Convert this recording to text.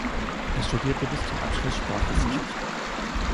Er studierte bis zum Abschluss Sprachwissenschaften.